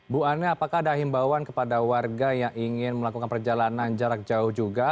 bu ane apakah ada himbauan kepada warga yang ingin melakukan perjalanan jarak jauh juga